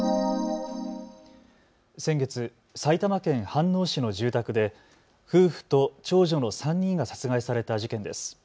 先月、埼玉県飯能市の住宅で夫婦と長女の３人が殺害された事件です。